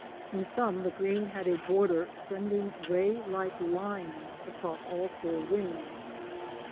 In some the green had a border sending ray like lines across all four wings.